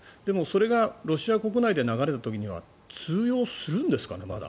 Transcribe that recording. それがロシア国内で流れた時にはまだ通用するんですかね？